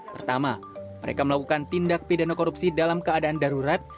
pertama mereka melakukan tindak pidana korupsi dalam keadaan darurat